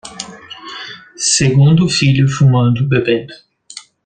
Segundo filho fumando, bebendo